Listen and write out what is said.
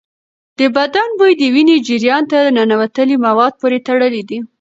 د بدن بوی د وینې جریان ته ننوتلي مواد پورې تړلی دی.